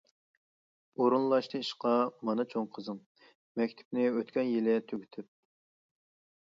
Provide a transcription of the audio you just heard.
ئورۇنلاشتى ئىشقا مانا چوڭ قىزىڭ، مەكتىپىنى ئۆتكەن يىلى تۈگىتىپ.